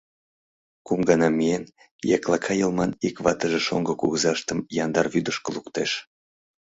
Кум гана миен, — яклака йылман ик ватыже шоҥго кугызаштым яндар вӱдышкӧ луктеш.